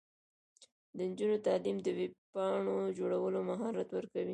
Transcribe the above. د نجونو تعلیم د ویب پاڼو جوړولو مهارت ورکوي.